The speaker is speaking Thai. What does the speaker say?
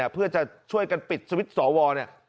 เพื่อจะช่วยกันปิดสวิทธิ์สวว